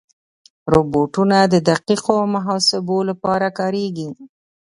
روبوټونه د دقیقو محاسبو لپاره کارېږي.